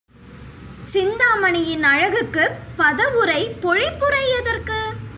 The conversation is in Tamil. சிந்தாமணியின் அழகுக்குப் பதவுரை, பொழிப்புரை எதற்கு?